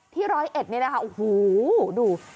ที่๑๐๑นี้นะคะโอ้โหดู